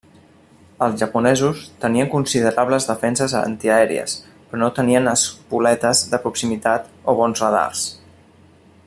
Els japonesos tenien considerables defenses antiaèries, però no tenien espoletes de proximitat o bons radars.